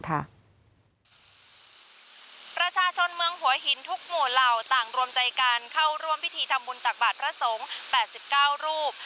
ประชาชนเมืองหัวหินทุกหมู่เหล่าต่างรวมใจกันเข้าร่วมพิธีทำบุญตักบาทพระสงฆ์๘๙รูป